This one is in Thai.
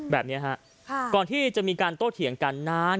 แบบนี้ฮะก่อนที่จะมีการโต้เถียงกันนาน